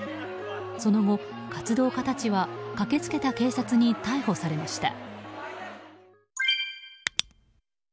その後、活動家たちは駆けつけた警察に逮捕されました。